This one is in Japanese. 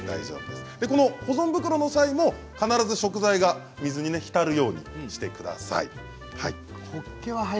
保存袋の場合も必ず食材が水に浸るようにしてください。